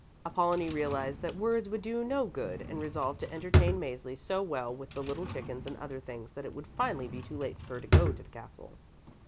Apollonie realized that words would do no good and resolved to entertain Mäzli so well with the little chickens and other things that it would finally be too late for her to go to the castle.